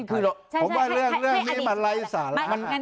คือผมว่าเรื่องนี้มันไร้สาระ